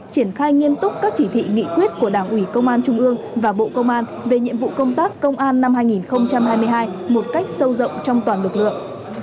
triển khai nghiêm túc các chỉ thị nghị quyết của đảng ủy công an trung ương và bộ công an về nhiệm vụ công tác công an năm hai nghìn hai mươi hai một cách sâu rộng trong toàn lực lượng